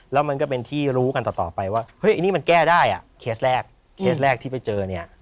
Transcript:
แล้วมันก็เป็นที่รู้กันต่อไปว่าเฮ้ยอันนี้มันแก้ได้อ่ะเคสแรกเคสแรกที่ไปเจอเนี่ย